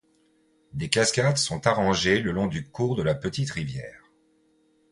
Des cascades sont arrangées le long du cours de la petite rivière.